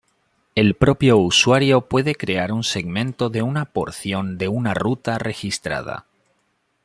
El propio usuario puede crear un segmento de una porción de una ruta registrada.